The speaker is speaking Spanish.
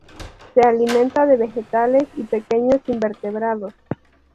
Se alimenta de vegetales y pequeños invertebrados.